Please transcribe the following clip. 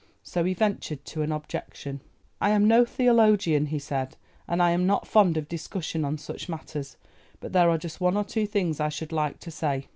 So he ventured on an objection. "I am no theologian," he said, "and I am not fond of discussion on such matters. But there are just one or two things I should like to say.